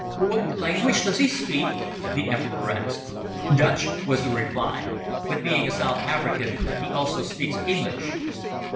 "What language does he speak?" the Emperor asked. "Dutch," was the reply; "but being a South African he also speaks English."